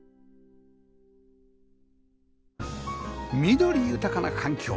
緑豊かな環境